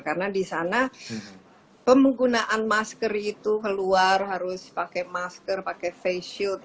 karena disana pemgunaan masker itu keluar harus pakai masker pakai face shield